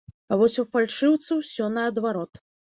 А вось у фальшыўцы ўсё наадварот.